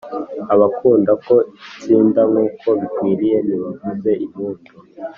Abakunda ko ntsinda nk’uko bikwiriye nibavuze impundu